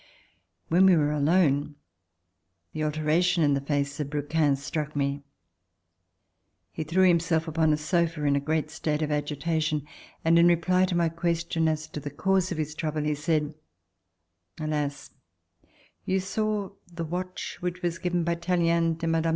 When we were alone, the alteration in the face of Brouquens struck miC. He threw himself upon a sofa in a great state of agitation, and in a reply to my question as to the cause of his trouble, he said : "Alas, you saw the watch which was given by Tallien to Mme.